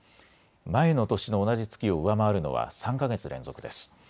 前の年の同じ月を上回るのは３か月連続です。